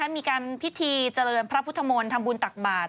มีการพิธีเจริญพระพุทธมนต์ทำบุญตักบาท